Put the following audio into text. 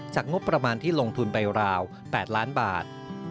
งบประมาณที่ลงทุนไปราว๘ล้านบาท